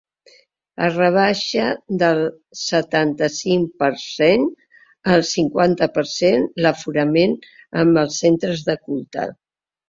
Es rebaixa del setanta-cinc per cent al cinquanta per cent l’aforament en els centres de culte.